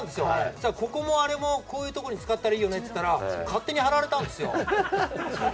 そうしたら、ここもあれもこういうところで使ってもいいよねって言って勝手に貼られたんですよ。